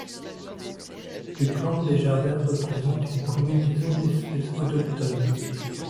Les plantes des Jardins représentent une combinaison d'espèces autochtones.